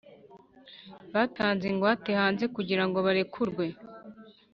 Batanze ingwate hanze kugira ngo barekurwe